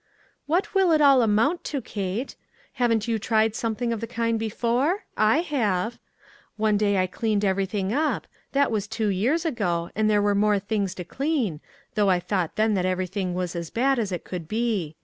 "What will it all amount to, Kate? Haven't you tried something of the kind before ? I have. One day I cleaned every thing up ; that was two years ago, and there were more things to clean, though I thought then that everything was as bad as it could be.